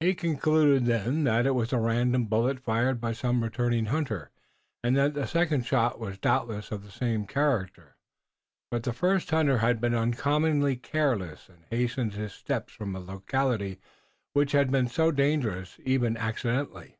He concluded then that it was a random bullet fired by some returning hunter, and that the second shot was doubtless of the same character. But the first hunter had been uncommonly careless and he hastened his steps from a locality which had been so dangerous, even accidentally.